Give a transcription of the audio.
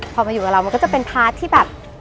พอมาอยู่กับเรามันก็จะเป็นพาร์ทที่แบบ